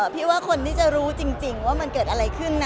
พี่ว่าคนที่จะรู้จริงว่ามันเกิดอะไรขึ้นนะ